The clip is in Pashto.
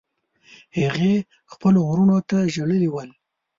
هغې خپلو وروڼو ته ژړلي ول.